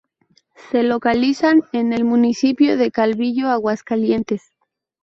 Se localizan en el municipio de Calvillo, Aguascalientes.